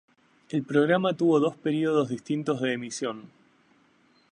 El programa tuvo dos periodos distintos de emisión.